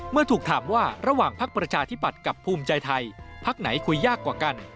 เมื่อถูกถามว่าระหว่างพักประชาธิปัตย์กับภูมิใจไทยพักไหนคุยยากกว่ากัน